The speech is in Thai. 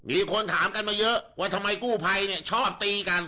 มีคนถามกันมาเยอะว่าทำไมกู้ภัยชอบตีกัน